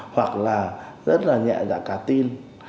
hoặc là rất là nhẹ dạ cả tin